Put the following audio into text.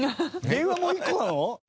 電話も１個なの？